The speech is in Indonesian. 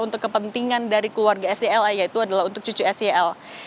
untuk kepentingan dari keluarga sela yaitu adalah untuk cucu sel